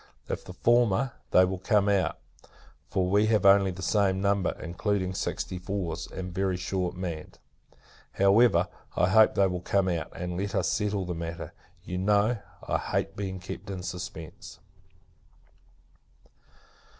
If the former, they will come out; for we have only the same number, including sixty fours, and very shortly manned. However, I hope they will come out, and let us settle the matter. You know, I hate being kept in suspence.